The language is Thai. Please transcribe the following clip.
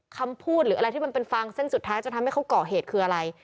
คำพูดหรืออะไรที่มันเป็นฟางเส้นสุดท้ายจะทำให้เขาก่อเหตุคืออะไร